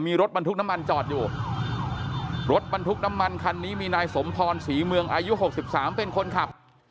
มีรถบรรทุกน้ำมันจอดอยู่รถบรรทุกน้ำมันคันนี้มีนายสมพรศรีเมืองอายุ๖๓เป็นคนขับ